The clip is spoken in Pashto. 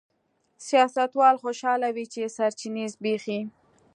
سیاستوال خوشاله وي چې سرچینې زبېښي.